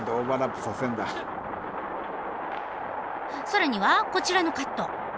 更にはこちらのカット。